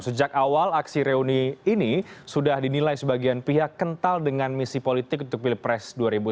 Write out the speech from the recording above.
sejak awal aksi reuni ini sudah dinilai sebagian pihak kental dengan misi politik untuk pilpres dua ribu sembilan belas